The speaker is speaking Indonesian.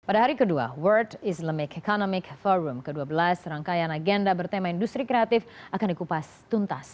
pada hari kedua world islamic economic forum ke dua belas rangkaian agenda bertema industri kreatif akan dikupas tuntas